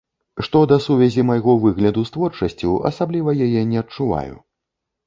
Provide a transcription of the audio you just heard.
Што да сувязі майго выгляду з творчасцю, асабліва яе не адчуваю.